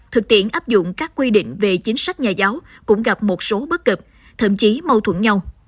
thực tiện áp dụng các quy định về chính sách nhà giáo cũng gặp một số bất cập thậm chí mâu thuẫn nhau